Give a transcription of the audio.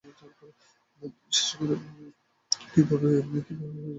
বিশেষ করে ঠিকভাবে কীটনাশক প্রয়োগ না করলে এবং সঠিকভাবে গম চাষ না করলে নানান ছত্রাক আক্রমণ করে।